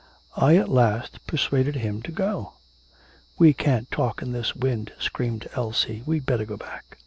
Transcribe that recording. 'I at last persuaded him to go.' 'We can't talk in this wind,' screamed Elsie, 'we'd better go back.'